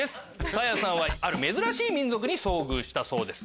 さやさんはある珍しい民族に遭遇したそうです。